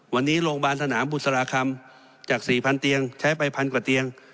วันนี้โรงพยาบาลสนามบุษราคำจาก๔๐๐เตียงใช้ไป๑๐๐กว่าเตียง